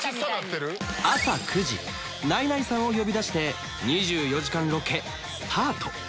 朝９時ナイナイさんを呼び出して２４時間ロケスタート！